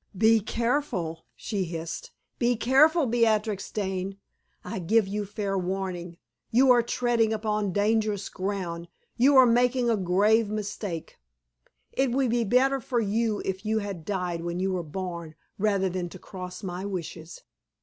"Be careful!" she hissed; "be careful, Beatrix Dane! I give you fair warning; you are treading upon dangerous ground; you are making a grave mistake. It would be better for you if you had died when you were born rather than to cross my wishes.